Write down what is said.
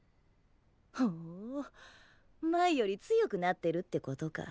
ほう前より強くなってるってことか。